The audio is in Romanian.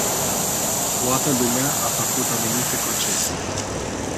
Toată lumea a făcut anumite concesii.